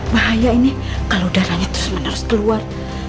bahaya ini kalau darahnya terus menerus keluar